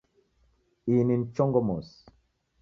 Ini ni chongo mosi